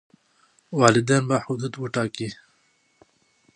والدین به حدود وټاکي.